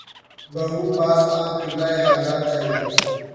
بھَوں پاس آنکھ قبلۂِ حاجات چاہیے